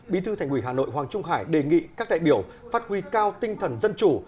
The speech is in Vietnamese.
bí thư thành ủy hà nội hoàng trung hải đề nghị các đại biểu phát huy cao tinh thần dân chủ